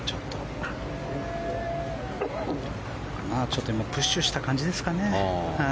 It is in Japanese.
ちょっとプッシュした感じですかね。